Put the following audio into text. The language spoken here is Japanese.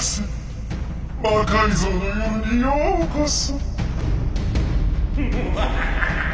「魔改造の夜」にようこそ。